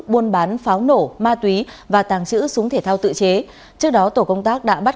buôn bán pháo nổ ma túy và tàng trữ súng thể thao tự chế trước đó tổ công tác đã bắt